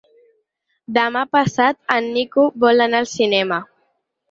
Demà passat en Nico vol anar al cinema.